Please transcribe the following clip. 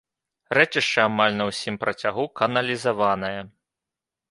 Рэчышча амаль на ўсім працягу каналізаванае.